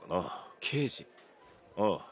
ああ。